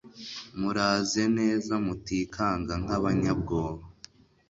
muraze neza mutikanga nk'abanyabwoba